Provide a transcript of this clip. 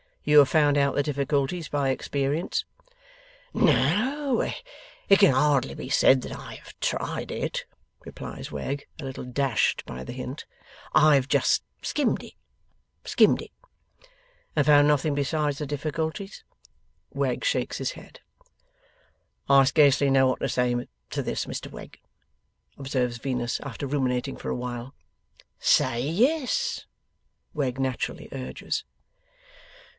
'You have found out the difficulties by experience.' 'No, it can hardly be said that I have tried it,' replies Wegg, a little dashed by the hint. 'I have just skimmed it. Skimmed it.' 'And found nothing besides the difficulties?' Wegg shakes his head. 'I scarcely know what to say to this, Mr Wegg,' observes Venus, after ruminating for a while. 'Say yes,' Wegg naturally urges.